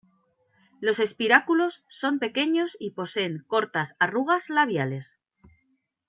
Los espiráculos son pequeños y poseen cortas arrugas labiales.